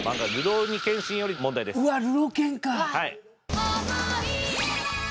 うわっ。